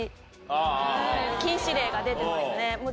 禁止令が出てますね。